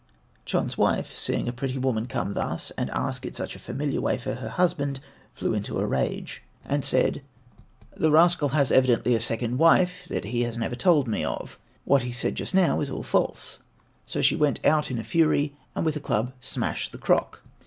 Chon's wife, seeing a pretty woman come thus, and ask in such a familiar way for her husband, flew into a rage and said, "The rascal has evidently a second wife that he has never told me of. What he said just now is all false," so she went out in a fury, and with a club smashed the crock.